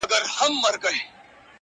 یوه ورځ له ناچارۍ ولاړى حاکم ته!!